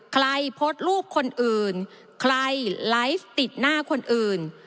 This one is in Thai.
ใครโพสต์รูปคนอื่นใครไลฟ์ติดหน้าคนอื่น